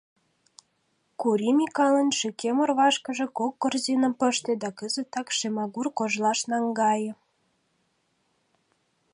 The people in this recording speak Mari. Кури Микалын шӱкем орвашкыже кок корзиным пыште да кызытак Шемагур кожлаш наҥгае.